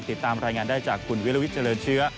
ติดตามรายงานได้จากคุณวิลวิทเจริญเชื้อ